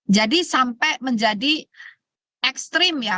jadi sampai menjadi ekstrim ya